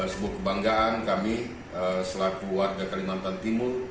sebuah kebanggaan kami selaku warga kalimantan timur